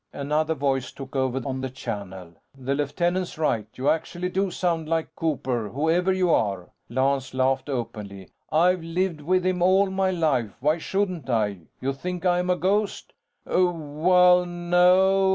Another voice took over on the channel. "The lieutenant's right. You actually do sound like Cooper, whoever you are!" Lance laughed openly. "I've lived with him all my life, why shouldn't I? You think I'm a ghost?" "Well ... no.